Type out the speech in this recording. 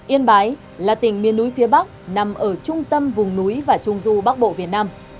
yên bái là tỉnh miền núi phía bắc nằm ở trung tâm vùng núi và trung du bắc bộ việt nam